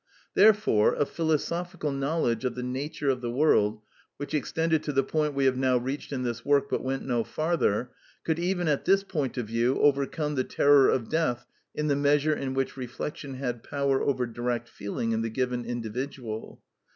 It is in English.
Therefore a philosophical knowledge of the nature of the world, which extended to the point we have now reached in this work but went no farther, could even at this point of view overcome the terror of death in the measure in which reflection had power over direct feeling in the given individual.